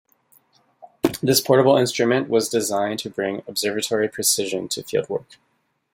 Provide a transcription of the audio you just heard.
This portable instrument was designed to bring observatory precision to fieldwork.